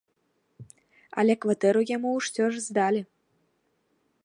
Але кватэру яму ўсё ж здалі.